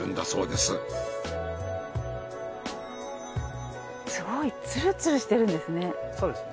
すごいつるつるしてるんですね。